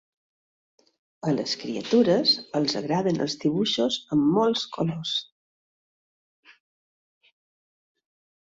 A les criatures, els agraden els dibuixos amb molts colors.